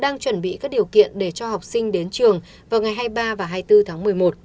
đang chuẩn bị các điều kiện để cho học sinh đến trường vào ngày hai mươi ba và hai mươi bốn tháng một mươi một